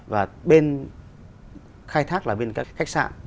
và bên khai thác là bên các khách sạn